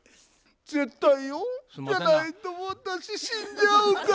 絶対よでないと私死んじゃうから。